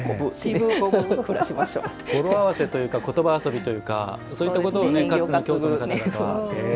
語呂合わせというか言葉遊びというかそういったことを京都の方々は。